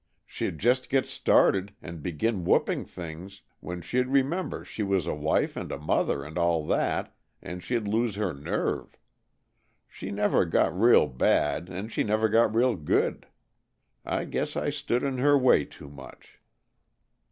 She'd just get started, and begin whooping things, when she'd remember she was a wife and a mother and all that, and she'd lose her nerve. She never got real bad, and she never got real good. I guess I stood in her way too much."